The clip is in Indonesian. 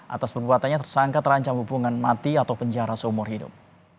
atas perbuatannya tersangka terancam hukuman mati atau penjara seumur hidup